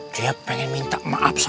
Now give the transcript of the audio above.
dia pengen minta maaf